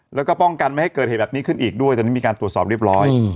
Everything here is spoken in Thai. แล้วก็ป้องกันไม่ให้เกิดเหตุแบบนี้ขึ้นอีกด้วยตอนนี้มีการตรวจสอบเรียบร้อย